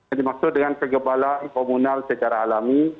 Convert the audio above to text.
ini dimaksud dengan kekebalan komunal secara alami